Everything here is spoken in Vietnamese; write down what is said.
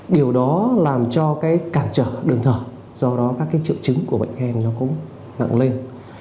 điều đó làm cho cản trở đường thở do đó các triệu chứng của bệnh hen cũng nặng lên